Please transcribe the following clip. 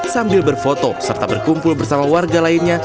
sambil berfoto serta berkumpul bersama warga lainnya